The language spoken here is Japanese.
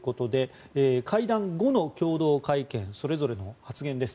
会談後の共同会見それぞれの発言です。